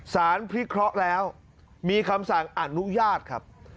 สารพิเคราะห์แล้วมีคำสั่งอนุญาตครับ